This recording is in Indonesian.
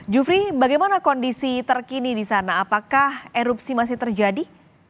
jufri bagaimana kondisi terkini di sana apakah erupsi masih terjadi